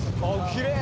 きれい